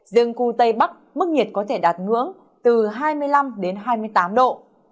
riêng khu tây bắc mức nhiệt có thể đạt ngưỡng từ hai mươi năm đến hai mươi tám độ